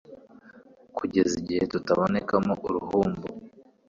kugeza igihe tutabonekamo uruhumbu